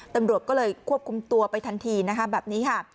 ตำรวจก็เลยควบคุมตัวไปทันทีนะคะแบบนี้ค่ะ